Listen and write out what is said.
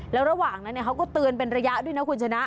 แล้วระหว่างนั้นเขาก็เตือนเป็นระยะด้วยนะคุณชนะ